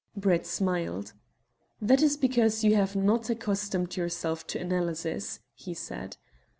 Brett smiled. "That is because you have not accustomed yourself to analysis," he said.